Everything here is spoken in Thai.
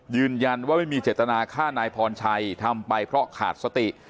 ยืนยันว่าไม่มีเจตนาฆ่านายพรชัยทำไปเพราะขาดสติ